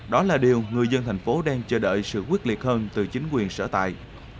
đó là điều người dân thành phố đang chờ đợi sự quyết liệt hơn từ chính quyền sở tại